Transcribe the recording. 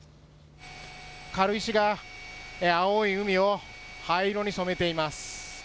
軽石が青い海を灰色に染めています。